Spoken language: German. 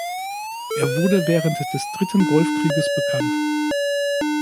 Er wurde während des dritten Golfkrieges bekannt.